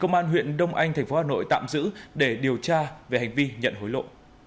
công an huyện đông anh tp hà nội tạm giữ để điều tra về hành vi nhận hối lộ